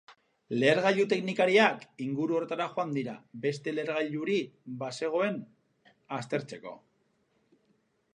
Lehergailu-teknikariak inguru horretara joan dira, beste lehergailuri bazegoen aztertzeko.